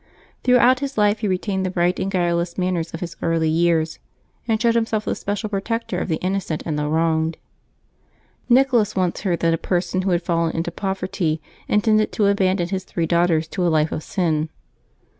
Through out his life he retained the bright and guileless manners of his early years, and showed himself the special protector of the innocent and the wronged. Nicholas once heard that a person who had fallen into poverty intended to abandon his three daughters to a life of sin.